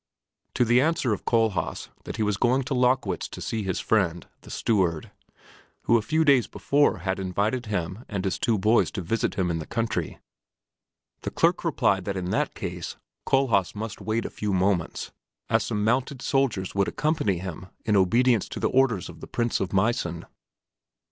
To the answer of Kohlhaas that he was going to Lockwitz to see his friend, the steward, who a few days before had invited him and his two boys to visit him in the country, the clerk replied that in that case Kohlhaas must wait a few moments, as some mounted soldiers would accompany him in obedience to the order of the Prince of Meissen.